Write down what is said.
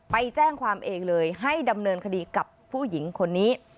ไปแจ้งความเองเลยให้ดำเนินคดีกับผู้หญิงคนนี้